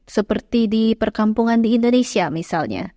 seperti di perkampungan di indonesia misalnya